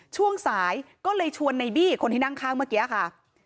ช่วงสายก็เลยชวนในบี้คนที่นั่งข้างเมื่อกี้ค่ะ